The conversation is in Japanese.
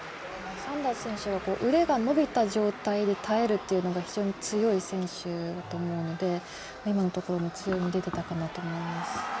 サンダース選手は腕が伸びた状態で耐えるっていうのが非常に強い選手だと思うので今のところも強みが出てたかなと思います。